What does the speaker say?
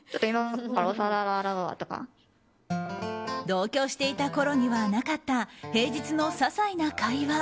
同居していたころにはなかった平日のささいな会話。